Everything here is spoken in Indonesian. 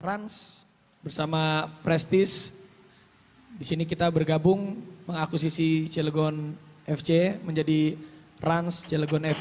trans bersama prestis disini kita bergabung mengakuisisi cilegon fc menjadi rans cilegon f